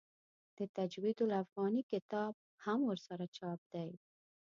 د تجوید الافغاني کتاب هم ورسره چاپ دی.